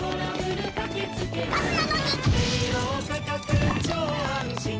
ガスなのに！